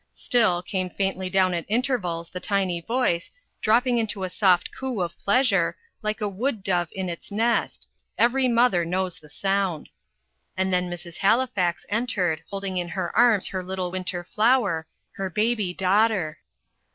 Still, came faintly down at intervals the tiny voice, dropping into a soft coo of pleasure, like a wood dove in its nest every mother knows the sound. And then Mrs. Halifax entered holding in her arms her little winter flower, her baby daughter.